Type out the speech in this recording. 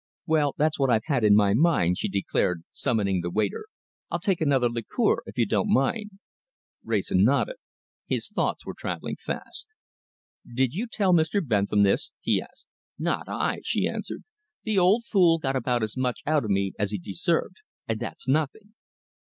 "Well, that's what I've had in my mind," she declared, summoning the waiter. "I'll take another liqueur, if you don't mind." Wrayson nodded. His thoughts were travelling fast. "Did you tell Mr. Bentham this?" he asked. "Not I," she answered. "The old fool got about as much out of me as he deserved and that's nothing."